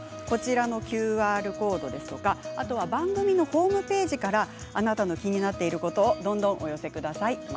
こちらのＱＲコードや番組のホームページからあなたの気になっていることをどんどんお寄せください。